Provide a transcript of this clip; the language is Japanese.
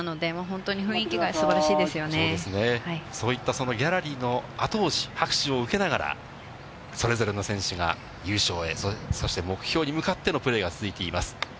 そういったそのギャラリーのあと押し、拍手を受けながら、それぞれの選手が優勝へ、そして目標に向かってのプレーが続いています。